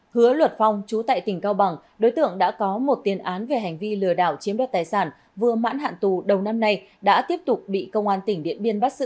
hứa luật phong trú tại tỉnh cao bằng đối tượng đã có một tiền án về hành vi lừa đảo chiếm đoạt tài sản vừa mãn hạn tù đầu năm nay đã tiếp tục bị công an tỉnh điện biên bắt xử